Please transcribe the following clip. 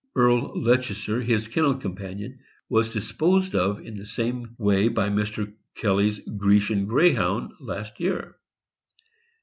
Earl Leicester, his kennel companion, was disposed of in the same way by Mr. Kelly's Grecian Greyhound last year.